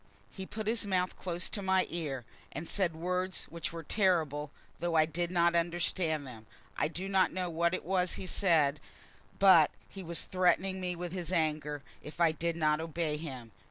He put his mouth close to my ear, and said words which were terrible, though I did not understand them. I do not know what it was he said, but he was threatening me with his anger if I did not obey him.